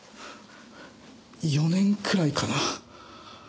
４年くらいかな？